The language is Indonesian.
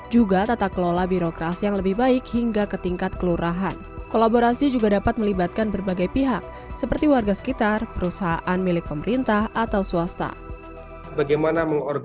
juga tata kelola birokrasi yang lebih baik hingga kepentingan